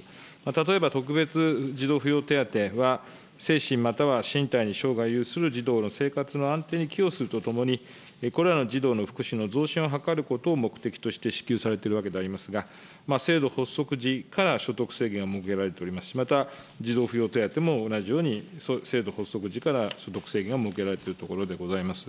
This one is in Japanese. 例えば、特別児童扶養手当は、精神または身体に障害を有する児童の生活の安定に寄与するとともに、これらの児童の福祉の増進を図ることを目的として支給されているわけでありますが、制度発足時から所得制限が設けられておりますし、また、児童扶養手当も同じように制度発足時から所得制限は設けられているところでございます。